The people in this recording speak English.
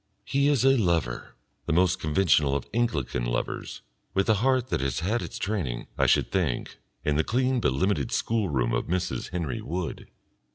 He is a lover, the most conventional of Anglican lovers, with a heart that has had its training, I should think, in the clean but limited schoolroom of Mrs. Henry Wood....